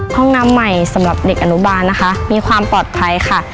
ห้องน้ำใหม่สำหรับเด็กอนุบาลนะคะมีความปลอดภัยค่ะ